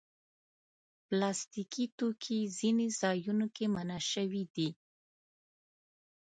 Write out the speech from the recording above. پلاستيکي توکي ځینو ځایونو کې منع شوي دي.